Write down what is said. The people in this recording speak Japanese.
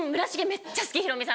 めっちゃ好きヒロミさん。